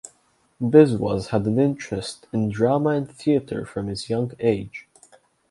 Biswas had an interest in drama and theatre from his young age.